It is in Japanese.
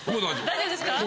大丈夫ですか？